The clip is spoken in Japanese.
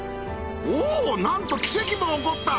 おおなんと奇跡も起こった！